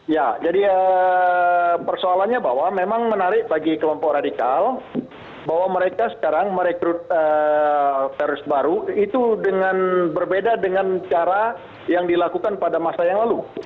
ya jadi persoalannya bahwa memang menarik bagi kelompok radikal bahwa mereka sekarang merekrut teroris baru itu dengan berbeda dengan cara yang dilakukan pada masa yang lalu